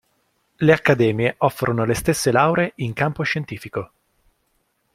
Le accademie offrono le stesse lauree in campo scientifico.